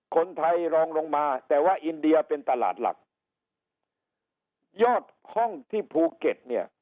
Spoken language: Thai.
คนไทยรองลงมาแต่ว่าอินเดียเป็นตลาดหลักยอดห้องที่ภูเก็ตเนี่ย